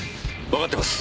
わかってます！